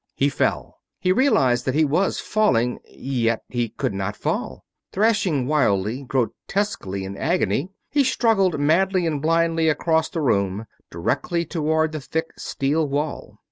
He fell. He realized that he was falling, yet he could not fall! Thrashing wildly, grotesquely in agony, he struggled madly and blindly across the room, directly toward the thick steel wall.